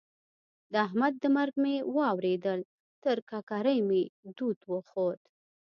د احمد د مرګ مې واورېدل؛ تر ککرۍ مې دود وخوت.